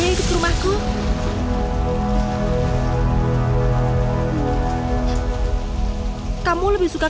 terpaksa di serangan karna mau ditemukan